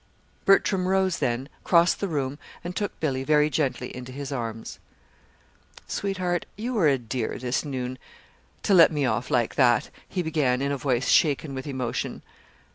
Bertram rose then, crossed the room, and took Billy very gently into his arms. "Sweetheart, you were a dear this noon to let me off like that," he began in a voice shaken with emotion.